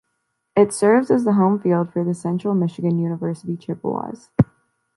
It serves as the home field for the Central Michigan University Chippewas.